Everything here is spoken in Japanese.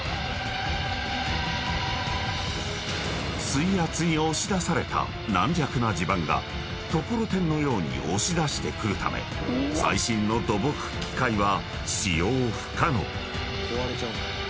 ［水圧に押し出された軟弱な地盤がところてんのように押し出してくるため最新の土木機械は使用不可能］